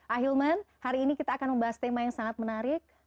ahilman hari ini kita akan membahas tema yang sangat menarik